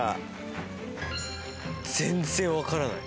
全然分からない。